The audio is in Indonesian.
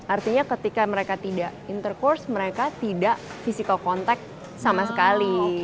artinya ketika mereka tidak intercourse mereka tidak physical contact sama sekali